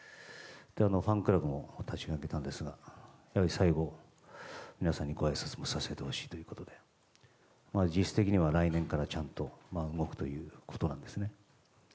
ファンクラブも始めていたんですが最後、皆さんにごあいさつもさせてほしいということで実質的には来年からちゃんと動くということなんですね。